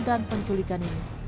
dan penculikan ini